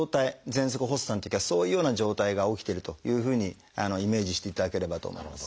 ぜんそく発作のときはそういうような状態が起きてるというふうにイメージしていただければと思います。